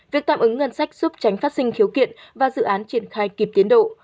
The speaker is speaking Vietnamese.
việc tạm ứng ngân sách giúp tránh phát sinh khiếu kiện và dự án triển khai kịp tiến độ